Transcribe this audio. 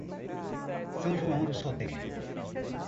São João do Soter